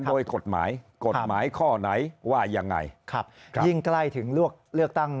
โดยกฎหมายกฎหมายข้อไหนว่ายังไงครับยิ่งใกล้ถึงเลือกเลือกตั้ง